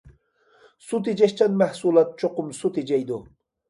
سۇ تېجەشچان مەھسۇلات چوقۇم سۇ تېجەيدۇ.